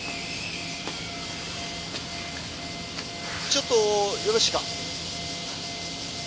ちょっとよろしいか？